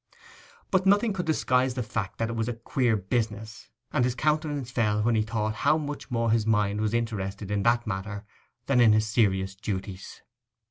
But nothing could disguise the fact that it was a queer business; and his countenance fell when he thought how much more his mind was interested in that matter than in his serious duties.